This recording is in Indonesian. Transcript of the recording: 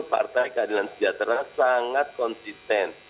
partai keadilan sejahtera sangat konsisten